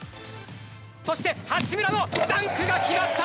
そして、八村のダンクが決まった。